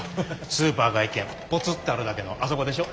スーパーが１軒ぽつっとあるだけのあそこでしょ？